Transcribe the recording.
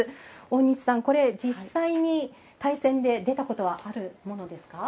大西さん、これ実際に対戦で出たことはあるものですか？